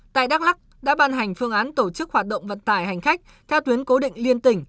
tại đắk lắc đã ban hành phương án tổ chức hoạt động vận tải hành khách theo tuyến cố định liên tỉnh